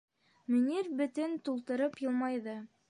Мөнир битен тултырып йылмайҙы.